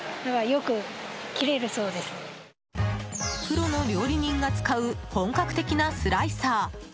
プロの料理人が使う本格的なスライサー。